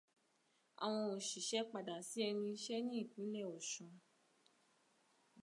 Àwọn òṣìṣẹ́ padà sí ẹnu iṣẹ́ ní ìpińlẹ̀ Ọ̀ṣun.